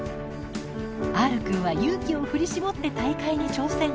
Ｒくんは勇気を振り絞って大会に挑戦。